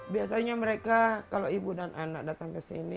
biasanya mereka kalau ibu dan anak datang ke sini